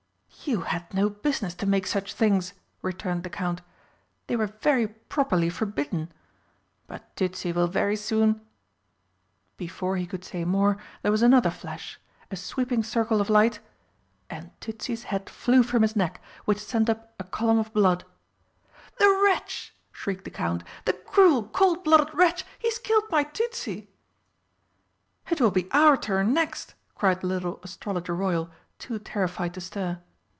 "You had no business to make such things," returned the Count, "they were very properly forbidden. But Tützi will very soon " Before he could say more there was another flash a sweeping circle of light and Tützi's head flew from his neck, which sent up a column of blood. "The wretch!" shrieked the Count, "the cruel, cold blooded wretch, he's killed my Tützi!" "It will be our turn next!" cried the little Astrologer Royal, too terrified to stir.